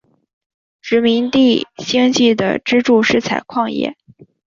殖民地经济的支柱是采矿业。